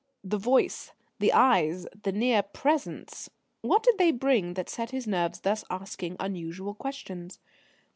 The voice, the eyes, the near presence what did they bring that set his nerves thus asking unusual questions?